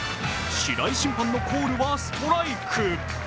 白井審判のコールはストライク。